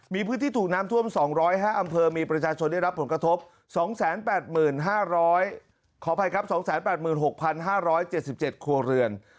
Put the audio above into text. มีพื้นที่ถูกน้ำท่วม๒๐๕อำเภอมีประชาชนได้รับผลกระทบ๒๘๖๕๗๗ครัวเรือน